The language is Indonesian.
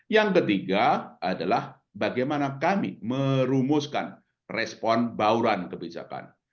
yang ketiga adalah bagaimana kami merumuskan respon bauran kebijakan